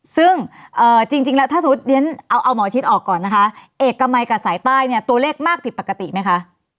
ซึ่งจริงแล้วถ้าสมมุติเรียนเอาหมอชิดออกก่อนนะคะเอกมัยกับสายใต้เนี่ยตัวเลขมากผิดปกติไหมคะ